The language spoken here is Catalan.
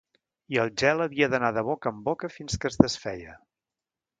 I el gel havia d'anar de boca en boca fins que es desfeia.